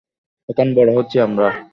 এখন বড় হচ্ছি আমরা।